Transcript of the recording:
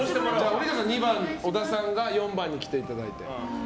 折笠さん２番小田さんが４番に来ていただいて。